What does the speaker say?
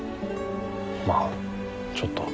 まあちょっとは。